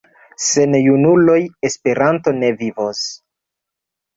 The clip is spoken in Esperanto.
Sen junuloj Esperanto ne vivos.